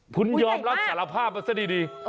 คุณยอมรับสารภาพมาซะดี